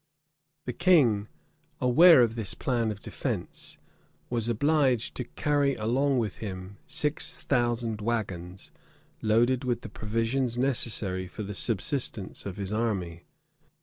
{1359.} The king, aware of this plan of defence, was obliged to carry along with him six thousand wagons, loaded with the provisions necessary for the subsistence of his army.